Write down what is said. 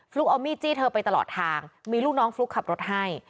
เอามีดจี้เธอไปตลอดทางมีลูกน้องฟลุ๊กขับรถให้